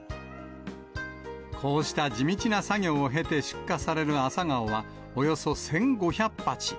こうした地道な作業を経て出荷される朝顔は、およそ１５００鉢。